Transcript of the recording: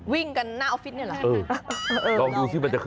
วิ่งกันหน้าออฟฟิศนี่แหละ